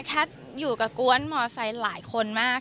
แคทอยู่กับก้วนมอเซอร์ไซต์หลายคนมาก